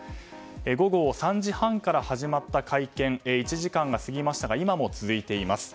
午後３時半から始まった会見１時間が過ぎましたが今も続いています。